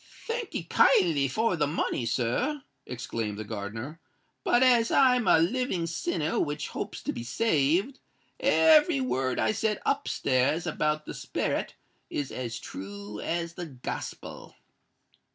"Thank'ee kindly for the money, sir," exclaimed the gardener; "but as I'm a living sinner which hopes to be saved, every word I said up stairs about the sperret is as true as the Gospel."